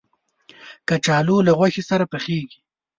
کچالو له غوښې سره پخېږي